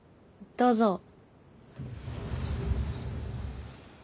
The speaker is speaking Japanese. どうぞ。